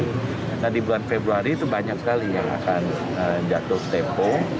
itu dekat nah di bulan februari itu banyak sekali yang akan jatuh tempo